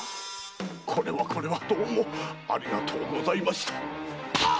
〔これはこれはどうもありがとうございました〕あっ‼